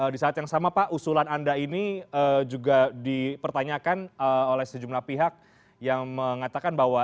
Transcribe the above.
di saat yang sama pak usulan anda ini juga dipertanyakan oleh sejumlah pihak yang mengatakan bahwa